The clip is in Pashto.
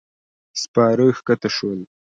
سپاره کښته شول.